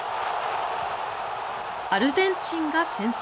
アルゼンチンが先制。